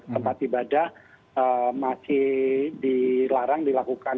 tempat ibadah masih dilarang dilakukan